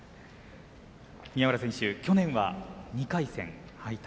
宮浦選手、去年は２回戦敗退。